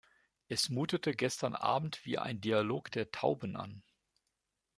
Es mutete gestern Abend wie ein Dialog der Tauben an.